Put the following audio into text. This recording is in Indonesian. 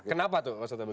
kenapa tuh maksudnya begitu